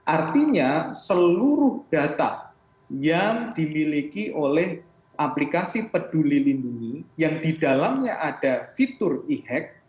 artinya seluruh data yang dimiliki oleh aplikasi peduli lindungi yang didalamnya ada fitur e hack